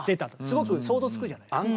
すごく想像つくじゃないですか。